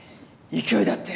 勢いだって。